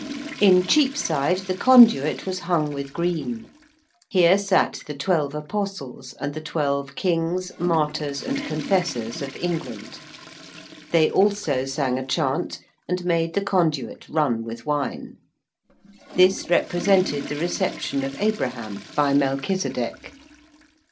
In Cheapside the conduit was hung with green. Here sat the twelve Apostles and the twelve Kings, Martyrs and Confessors of England. They also sung a chant and made the conduit run with wine. This represented the reception of Abraham by Melchisedek.